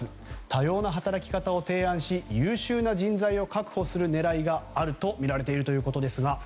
多様な働き方を提案し、優秀な人材を確保する狙いがあるとみられているということですが。